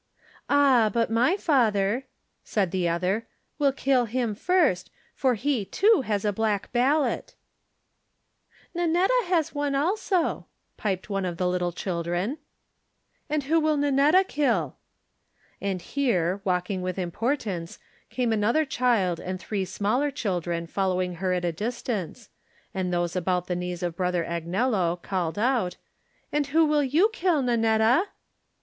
"Ah, but my father," said the other, "will kill him first, for he, too, has a black ballot." 35 Digitized by Google THE NINTH MAN " Nannetta has one also," piped one of the little children. "And who will Nannetta kill?" And here, walking with importance, came another child and three smaller children following her at a distance, and those about the knees of Brother Agnello called out, "And who will you kill, Nannetta?"